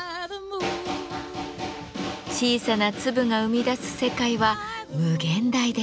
小さな粒が生み出す世界は無限大です。